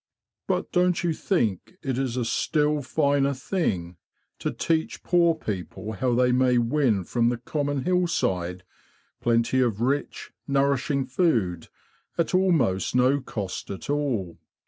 But don't you think it is a still finer thing to teach poor people how they may win from the common hillside plenty of rich, nourishing food at almost no cost at all?